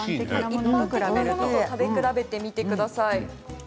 一般のものと食べ比べてみてください。